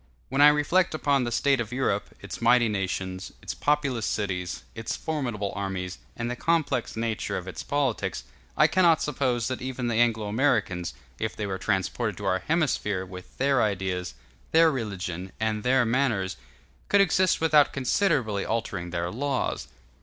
When I reflect upon the state of Europe, its mighty nations, its populous cities, its formidable armies, and the complex nature of its politics, I cannot suppose that even the Anglo Americans, if they were transported to our hemisphere, with their ideas, their religion, and their manners, could exist without considerably altering their laws.